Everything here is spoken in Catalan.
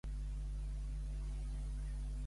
Què li feia paüra al secretari que es menciona?